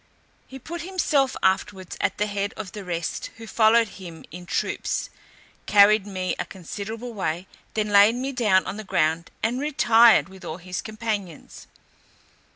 He put himself afterwards at the head of the rest, who followed him in troops, carried me a considerable way, then laid me down on the ground, and retired with all his companions.